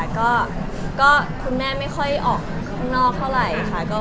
ก็คุณแม่ไม่ค่อยออกข้างนอกเท่าไหร่ค่ะ